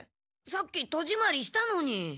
さっき戸じまりしたのに。